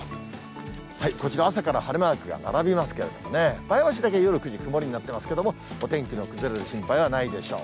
こちら、朝から晴れマークが並びますけれどもね、前橋だけ夜９時、曇りになってますけど、お天気の崩れる心配はないでしょう。